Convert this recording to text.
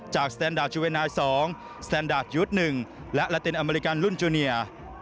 จากสแตนดาร์ดจุเวนไนสองสแตนดาร์ดยุทธ์๑และลัตินอเมริกันรุ่นจูเนีย